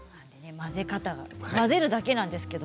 混ぜ方がね混ぜるだけなんですけれど。